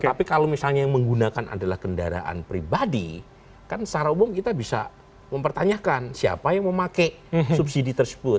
tapi kalau misalnya yang menggunakan adalah kendaraan pribadi kan secara umum kita bisa mempertanyakan siapa yang memakai subsidi tersebut